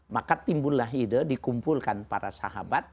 maka timbullah ide dikumpulkan para sahabat